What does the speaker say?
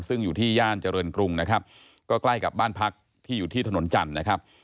ซึ่งอยู่ที่ย่านเจริญกรุงนะครับก็ใกล้กับบ้านพักที่อยู่ที่ถนนจันทร์นะครับ